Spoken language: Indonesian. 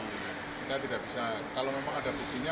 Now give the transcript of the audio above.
kita tidak bisa kalau memang ada buktinya